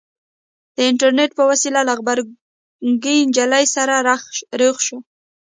د اينټرنېټ په وسيله له غبرګې نجلۍ سره رخ شو.